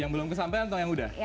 yang belum kesampean atau yang udah